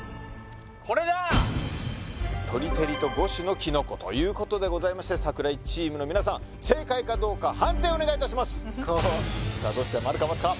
これだー鶏照と５種のきのこということでございまして櫻井チームの皆さん正解かどうか判定をお願いいたしますさあどっちだ○か×か？